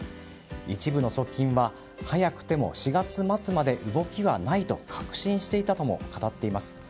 一部の側近は早くても４月末まで動きはないと確信していたとも語っています。